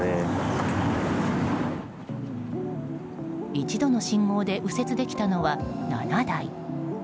一度の信号で右折できたのは、７台。